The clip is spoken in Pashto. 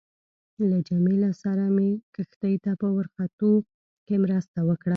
له جميله سره مې کښتۍ ته په ورختو کې مرسته وکړه.